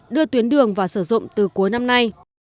đưa tuyến đường vào sử dụng từ cuối năm nay